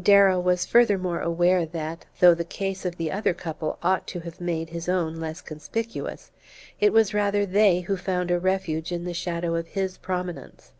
Darrow was furthermore aware that, though the case of the other couple ought to have made his own less conspicuous, it was rather they who found a refuge in the shadow of his prominence.